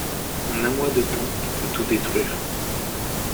En un mois de temps on peut tout détruire.